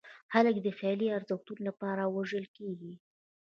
خلک د خیالي ارزښتونو لپاره وژل کېږي.